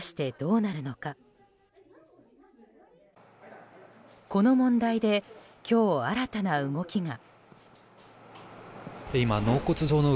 この問題で今日新たな動きが。